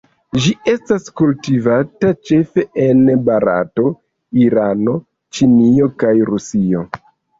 Ĝi estas kultivata ĉefe en Barato, Irano, Ĉinio, kaj Rusio.